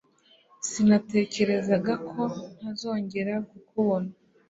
Sinatekerezaga ko ntazongera kukubona.